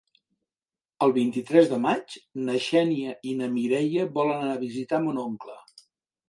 El vint-i-tres de maig na Xènia i na Mireia volen anar a visitar mon oncle.